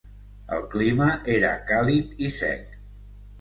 El clima era càlid i sec.